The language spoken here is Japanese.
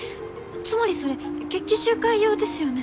つまりそれ決起集会用ですよね？